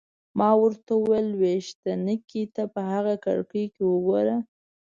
ما ورته وویل: لویشتينکې! ته په هغه کړکۍ کې وګوره.